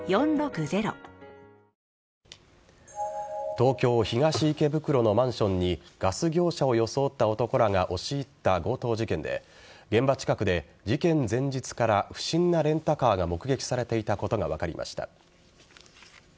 東京・東池袋のマンションにガス業者を装った男らが押し入った強盗事件で現場近くで事件前日から不審なレンタカーが目撃されていたことが分かりました。